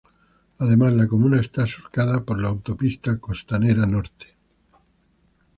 Además, la comuna está surcada por la Autopista Costanera Norte.